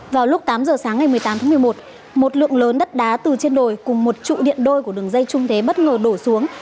vào lúc tám giờ sáng ngày một mươi tám tháng một mươi một một lượng lớn đất đá từ trên đồi cùng một trụ điện đôi của đường dây trung thế bất ngờ đổ xuống